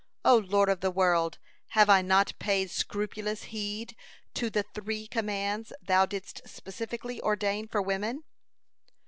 O Lord of the world! Have I not paid scrupulous heed to the three commands Thou didst specially ordain for women?"